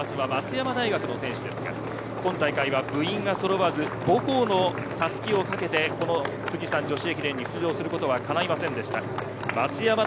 ３位の全日本学生選抜の小松は松山大学の選手ですが今大会は部員がそろわず母校のたすきをかけてこの富士山女子駅伝に出場することはかないませんでした。